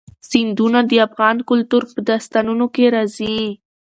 سیندونه د افغان کلتور په داستانونو کې راځي.